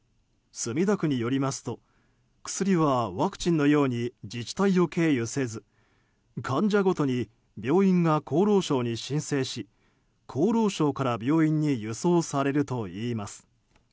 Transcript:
墨田区によりますと薬はワクチンのように自治体を経由せず患者ごとに病院が厚労省に申請し、厚労省から病院に輸送されるといいます。